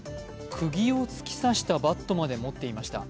くぎを突き刺したバットまで持っていました。